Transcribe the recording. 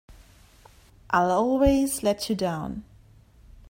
I'll always let you down!